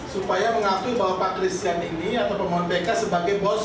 supaya mengakui bahwa pak christian ini atau pemohon pk sebagai bos